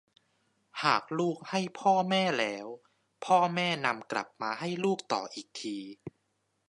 หากลูกให้พ่อแม่แล้ว พ่อแม่นำกลับมาให้ลูกต่ออีกที